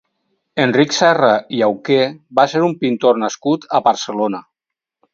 Enric Serra i Auqué va ser un pintor nascut a Barcelona.